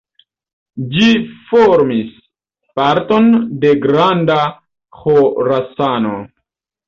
Ĝi formis parton de Granda Ĥorasano.